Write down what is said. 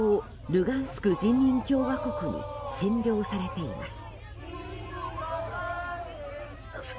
ルガンスク人民共和国に占領されています。